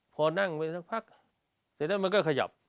พอนั่งไปสักพักเสร็จแล้วมันก็ขยับ